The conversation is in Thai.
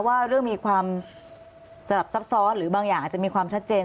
ว่าเรื่องมีความสลับซับซ้อนหรือบางอย่างอาจจะมีความชัดเจน